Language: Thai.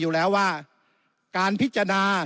วุฒิสภาจะเขียนไว้ในข้อที่๓๐